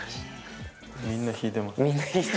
みんな引いてました。